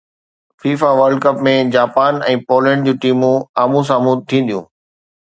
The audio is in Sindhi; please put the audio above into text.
FIFA world cup ۾ Japan ۽ Poland جون ٽيمون آمهون سامهون ٿينديون